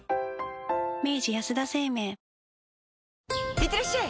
いってらっしゃい！